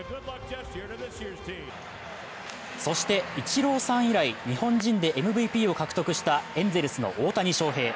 そしてイチローさん以来、日本人でＭＶＰを獲得したエンゼルスの大谷翔平。